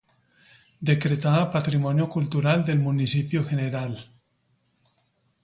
Decretada Patrimonio Cultural del Municipio Gral.